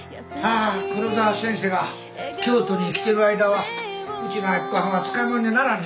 あ黒沢先生が京都に来てる間はうちの明子はんは使いもんにはならんな。